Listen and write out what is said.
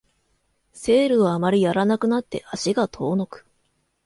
セールをあまりやらなくなって足が遠のく